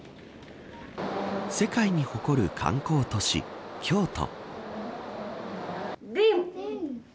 世界に誇る観光都市、京都。